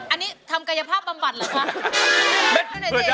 อันนี้ทำกายภาพบำบัดหรือเปล่า